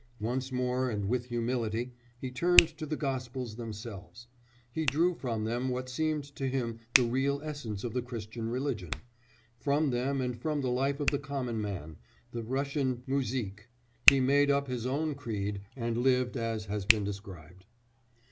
Once more and with humility he turned to the Gospels themselves; he drew from them what seemed to him the real essence of the Christian religion; from them and from the life of the common man the Russian muzhik he made up his own creed and lived as has been described.